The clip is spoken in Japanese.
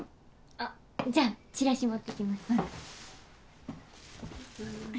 あじゃあチラシ持ってきます。